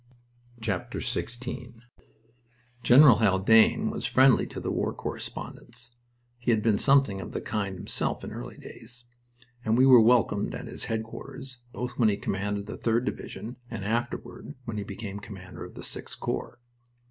XVI General Haldane was friendly to the war correspondents he had been something of the kind himself in earlier days and we were welcomed at his headquarters, both when he commanded the 3d Division and afterward when he became commander of the 6th Corps.